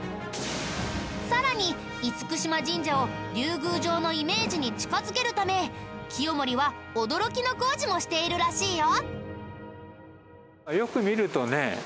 さらに嚴島神社を竜宮城のイメージに近づけるため清盛は驚きの工事もしているらしいよ。